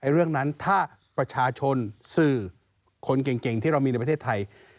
เรื่องนั้นถ้าประชาชนสื่อคนเก่งที่เรามีในประเทศไทย